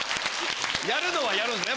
やるのはやるんね。